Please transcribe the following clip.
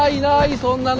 そんなの。